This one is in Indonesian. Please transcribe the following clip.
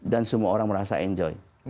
dan semua orang merasa enjoy